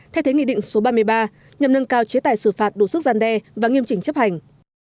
thay thế nghị định số ba mươi ba nhằm nâng cao chế tài xử phạt đủ sức gian đe và nghiêm chỉnh chấp hành